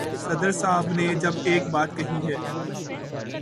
صدر صاحب نے جب ایک بات کہی ہے۔